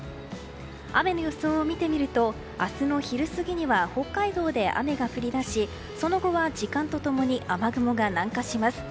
雨の予想を見てみると明日の昼過ぎには北海道で雨が降り出しその後は時間と共に雨雲が南下します。